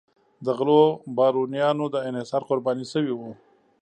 د غلو بارونیانو د انحصار قرباني شوي وو.